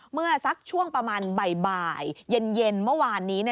เมื่อสักช่วงประมาณบ่ายเย็นเมื่อวานนี้